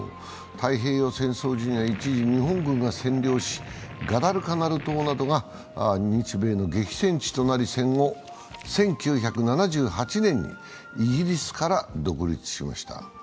太平洋戦争時には一時、日本軍が占領しガダルカナル島などが日米の激戦地となり戦後１９７８年にイギリスから独立しました。